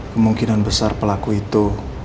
kemungkinan besar pelaku itu